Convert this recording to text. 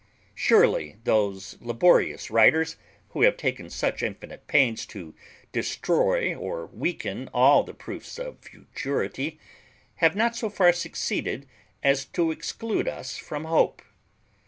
Surely those laborious writers, who have taken such infinite pains to destroy or weaken all the proofs of futurity, have not so far succeeded as to exclude us from hope.